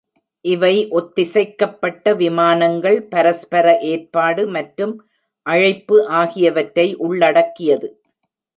இவை ஒத்திசைக்கப்பட்ட விமானங்கள், பரஸ்பர ஏற்பாடு மற்றும் அழைப்பு ஆகியவற்றை உள்ளடக்கியது.